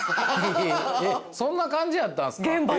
そんな感じやったんすか？